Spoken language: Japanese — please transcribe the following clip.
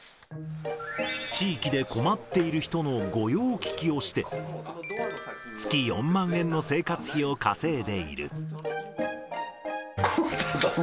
地域で困っている人の御用聞きをして、月４万円の生活費を稼いでいる。